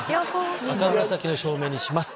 赤紫の照明にします。